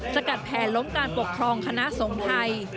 สกัดแผนล้มการปกครองคณะสงฆ์ไทย